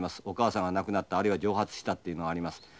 お母さんが亡くなったあるいは蒸発したっていうのあります。